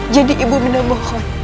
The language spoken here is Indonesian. jadi ibu minta mohon